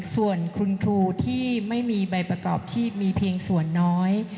ส่วนคุณครูที่ไม่มีใบประกอบชีพมีเพียงส่วนน้อย